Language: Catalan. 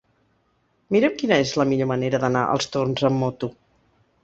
Mira'm quina és la millor manera d'anar als Torms amb moto.